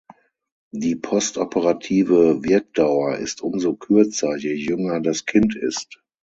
Die postoperative Wirkdauer ist umso kürzer, je jünger das Kind ist.